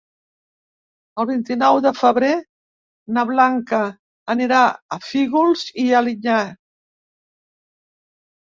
El vint-i-nou de febrer na Blanca anirà a Fígols i Alinyà.